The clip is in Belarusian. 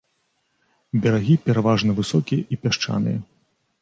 Берагі пераважна высокія і пясчаныя.